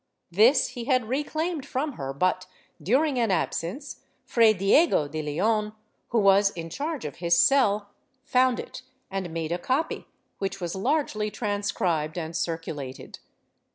This he had reclaimed from her but, during an absence. Fray Diego de Leon, who was in charge of his cell, found it and made a copy, which was largely transcribed and circulated.